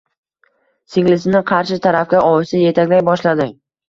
Singlisini qarshi tarafga ohista yetaklay boshladi.